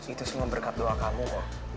itu semua berkat doa kamu kok